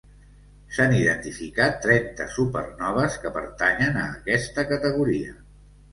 S'han identificat trenta supernoves que pertanyen a aquesta categoria.